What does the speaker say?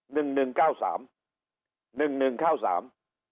หนึ่งหนึ่งเก้าสามหนึ่งหนึ่งเก้าสาม